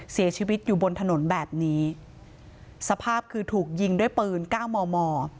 เสียชีวิตอยู่บนถนนแบบนี้สภาพคือถูกยิงด้วยปืนเก้ามอมอ